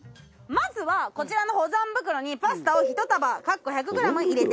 まずはこちらの保存袋にパスタを１束入れてください。